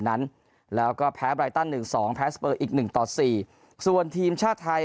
นั้นแล้วก็แพ้ไบรตัน๑๒แพ้สเปอร์อีก๑ต่อ๔ส่วนทีมชาติไทย